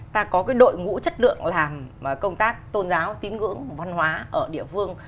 ta có cái đội ngũ chất lượng làm công tác tôn giáo tín ngưỡng văn hóa ở địa phương